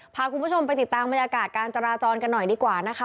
พาคุณผู้ชมไปติดตามบรรยากาศการจราจรกันหน่อยดีกว่านะคะ